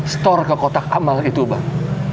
store ke kotak amal itu bang